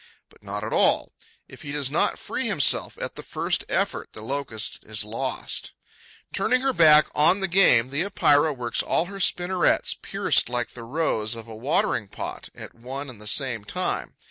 But not at all. If he does not free himself at the first effort, the Locust is lost. Turning her back on the game, the Epeira works all her spinnerets, pierced like the rose of a watering pot, at one and the same time.